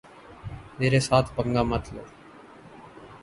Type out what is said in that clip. میرے ساتھ پنگا مت لو۔